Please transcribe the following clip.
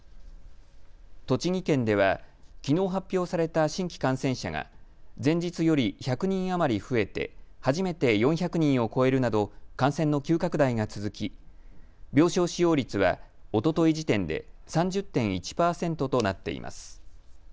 栃木県ではきのう発表された新規感染者が前日より１００人余り増えて初めて４００人を超えるなど感染の急拡大が続き病床使用率はおととい時点で３０．１％となっています。